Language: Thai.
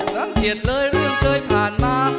สังเกตเลยเรื่องเคยผ่านมา